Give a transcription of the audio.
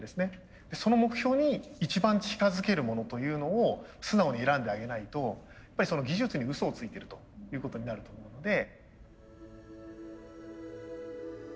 その目標に一番近づけるものというのを素直に選んであげないとやっぱり技術にうそをついてるということになると思うので。